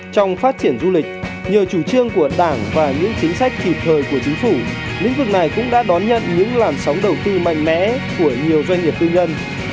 trong phát triển du lịch nhờ chủ trương của đảng và những chính sách kịp thời của chính phủ lĩnh vực này cũng đã đón nhận những làn sóng đầu tư mạnh mẽ của nhiều doanh nghiệp tư nhân